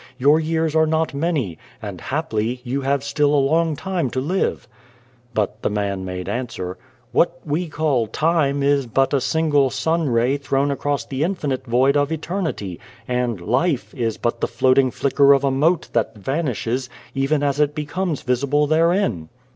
Your years are not many, and, haply, you have still a long time to live." But the man made answer :" What we call 1 time ' is but a single sunray thrown across the infinite void of Eternity, and ' life ' is but the floating flicker of a mote that vanishes, even as it becomes visible therein.